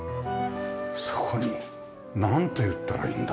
そこになんていったらいいんだろう？